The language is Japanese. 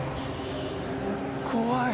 怖い。